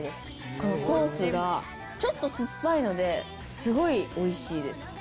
このソースがちょっと酸っぱいのですごいおいしいです。